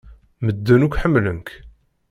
Medden akk ḥemmlen-k.